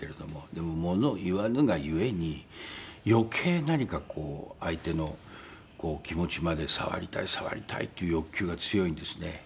でも物を言わぬがゆえに余計何かこう相手の気持ちまで触りたい触りたいっていう欲求が強いんですね。